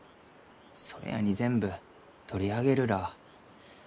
それやに全部取り上げるらあ。